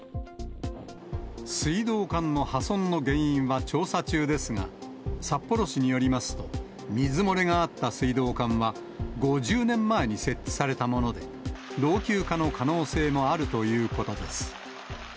水道管の破損の原因は調査中ですが、札幌市によりますと、水漏れがあった水道管は５０年前に設置されたもので、老朽化の可能性もあるということです。